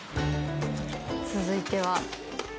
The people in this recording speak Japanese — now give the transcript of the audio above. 続いては？